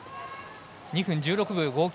２分１６秒５９。